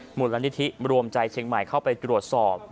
หมุนลัณฑิษฐิรวมใจเชียงใหม่เข้าไปกรวจสอบ